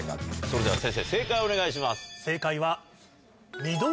それでは先生正解をお願いします。